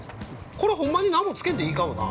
◆これ、ほんまに何もつけんでええかもな。